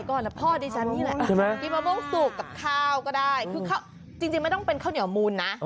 กินมะม่วงสุกกับข้าวก็ได้จริงไม่ต้องเป็นข้าวเหนียวมูลนะ